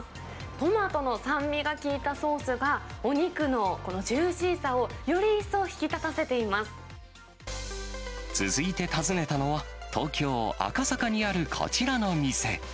トマトの酸味が効いたソースが、お肉のこのジューシーさを、続いて訪ねたのは、東京・赤坂にあるこちらの店。